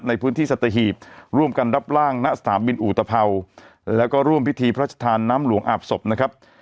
ในพื้นที่สัตหีบร่วมกันรับร่างณสนามบินอุตภัวร์แล้วก็ร่วมพิธีพระชธานน้ำหลวงอาบศพนะครับ